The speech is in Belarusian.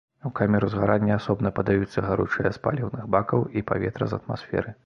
У камеру згарання асобна падаюцца гаручае з паліўных бакаў і паветра з атмасферы.